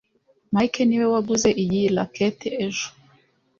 mike niwe waguze iyi racket ejo